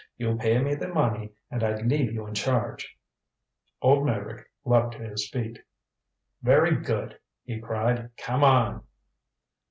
You pay me the money and I leave you in charge." Old Meyrick leaped to his feet. "Very good," he cried. "Come on."